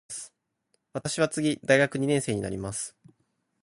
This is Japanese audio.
私は次大学二年生になります。